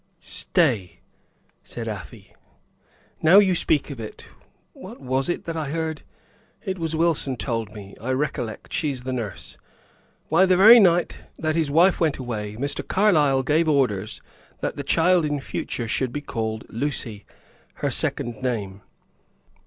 "Stay," said Afy; "now you speak of it, what was it that I heard? It was Wilson told me, I recollect she's the nurse. Why, the very night that his wife went away Mr. Carlyle gave orders that the child in future should be called Lucy, her second name.